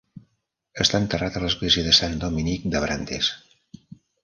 Està enterrat a l'Església de Sant Dominique d'Abrantes.